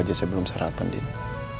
saya gemeinsam irresponsasinya